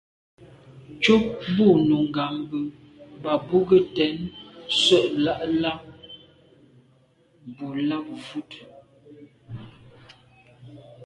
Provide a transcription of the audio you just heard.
Tchúp bú nùngà mbə̄ mbà bú gə́ tɛ̀ɛ́n sə́’ láà’ ká bū làáp vút.